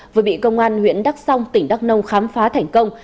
vừa bị công an huyện đắc song tỉnh đắc nông khám phá thành công